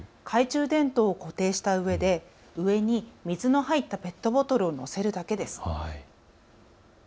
懐中電灯を固定したうえで上に水の入ったペットボトルを乗せるだけです。